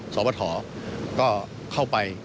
สวทธก็เข้าไป